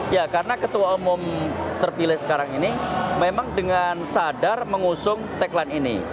ya karena ketua umum terpilih sekarang ini memang dengan sadar mengusung tagline ini